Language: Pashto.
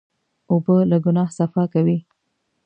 اوبه له ګناه صفا کوي.